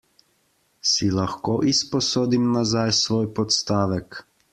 Si lahko izposodim nazaj svoj podstavek?